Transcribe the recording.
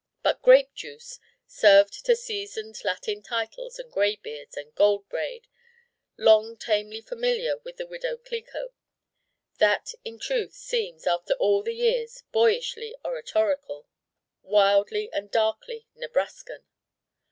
But grape juice, served to seasoned Latin Titles and Graybeards and Gold Braid, long tamely familiar with the Widow Clicquot: that in truth seems, after all the years, boyishly oratorical, wildly and darkly Nebraskan.